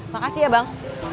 makasih ya bang